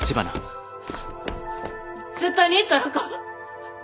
絶対に行ったらあかん！